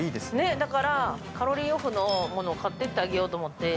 だからカロリーオフのものを買ってってあげようと思って。